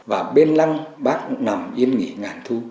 và bên lăng bác nằm yên nghỉ ngàn thu